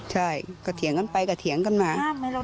ใช่ก็เถียงกันไปก็เถียงกันมา